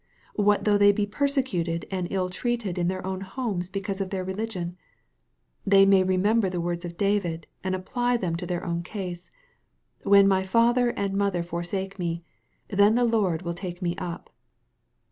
'What though they be persecuted and ill treated in their own homes because of their religion? They may remember the words of David, and apply them to their own case, " When my father and mother forsake me, then the Lord will take me up."